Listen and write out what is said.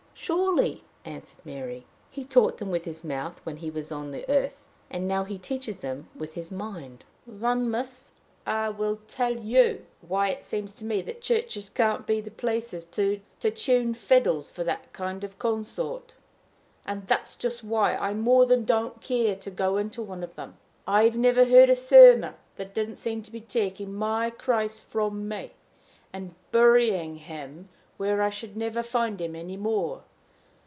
"Surely," answered Mary. "He taught them with his mouth when he was on the earth; and now he teaches them with his mind." "Then, miss, I will tell you why it seems to me that churches can't be the places to tune the fiddles for that kind of consort and that's just why I more than don't care to go into one of them: I never heard a sermon that didn't seem to be taking my Christ from me, and burying him where I should never find him any more.